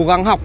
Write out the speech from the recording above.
cố gắng học